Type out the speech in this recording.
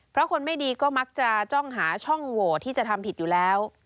เพราะคนไม่ดีก็มักจะจ้องหาช่องโหวตที่จะทำผิดอยู่แล้ว